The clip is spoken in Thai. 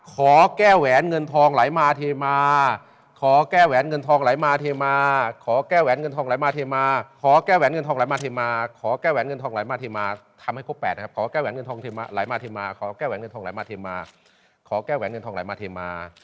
ขอแก้แหวนเงินทองไหลมาเทมา